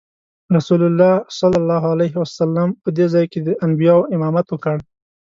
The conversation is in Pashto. رسول الله صلی الله علیه وسلم په دې ځای کې د انبیاوو امامت وکړ.